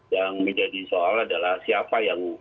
yang menjadi soal adalah siapa yang